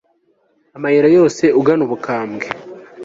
amayira yose ugana ubukambwe